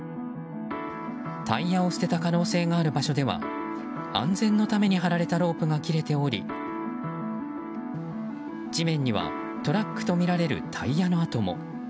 タイヤを捨てた可能性がある場所では安全のために張られたロープが切れており地面にはトラックとみられるタイヤの跡も。